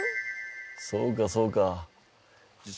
そうかそうか。